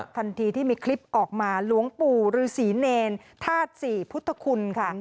ทันทีที่มีคลิปออกมาหลวงปู่ฤษีเนรธาตุศรีพุทธคุณค่ะ